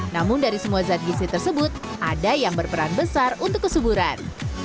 namun dari semua zat gizi tersebut ada yang berperan besar untuk kesuburan